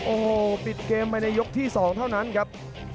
โอ้โหปิดเกมไปในยกที่๒เท่านั้นครับ